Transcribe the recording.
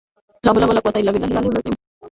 কিন্তু আমাদের শুক্র ও শনিবার দুই দিন ছুটি।